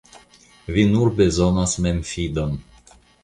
Vi nur bezonas memfidon.